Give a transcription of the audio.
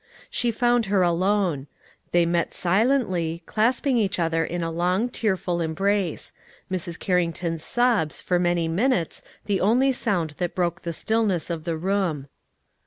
She found her alone. They met silently, clasping each other in a long, tearful embrace, Mrs. Carrington's sobs for many minutes the only sound that broke the stillness of the room.